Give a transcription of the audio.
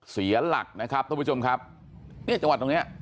เสียหลักนะครับท่านผู้ชมครับเนี่ยจังหวัดตรงเนี้ย